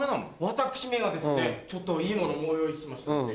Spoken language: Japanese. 私めがですねちょっといい物ご用意しましたので。